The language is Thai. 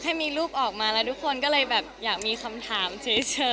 ถ้ามีรูปออกมาแล้วทุกคนก็เลยแบบอยากมีคำถามเฉย